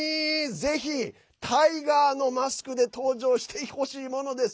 ぜひタイガーのマスクで登場してほしいものです。